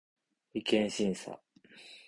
違憲審査